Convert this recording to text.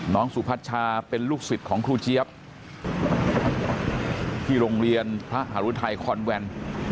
สุพัชชาเป็นลูกศิษย์ของครูเจี๊ยบที่โรงเรียนพระหารุทัยคอนแวน